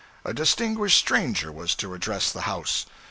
A distinguished stranger was to address the house.